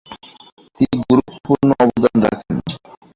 তিনি গুরুত্বপূর্ণ অবদান রাখেন।